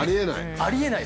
ありえない。